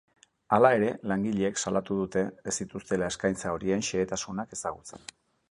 Hala ere, langileek salatu dute ez dituztela eskaintza horien xehetasunak ezagutzen.